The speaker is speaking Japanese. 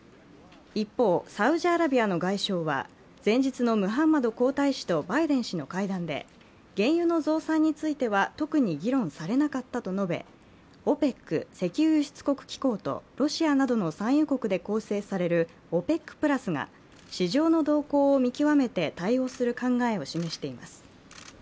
一方、サウジアラビアの外相は前日のムハンマド皇太子とバイデン氏の会談で、原油の増産については特に議論されなかったと述べＯＰＥＣ＝石油輸出国機構とロシアなどの産油国で構成されるＯＰＥＣプラスが市場の動向を見極めて対応する考えを示しています。